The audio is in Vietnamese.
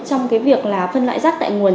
trong cái việc là phân loại rác tại nguồn